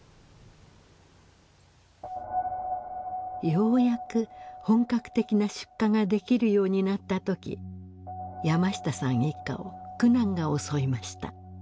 ようやく本格的な出荷ができるようになった時山下さん一家を苦難が襲いました。